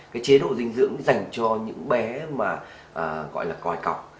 chế độ dinh dưỡng dành cho những bé gọi là còi cọc